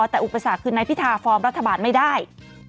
แต่อุปสรรคคือนายพิธาฟอร์มรัฐบาลไม่ได้